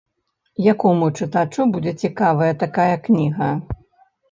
Якому чытачу будзе цікавая такая кніга?